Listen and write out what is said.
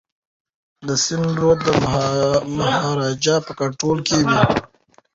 د سند رود د مهاراجا په کنټرول کي و.